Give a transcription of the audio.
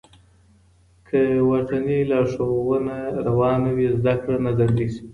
که واټني لارښوونه روانه وي، زده کړه نه ځنډېږي.